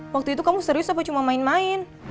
waktu itu kamu serius apa cuma main main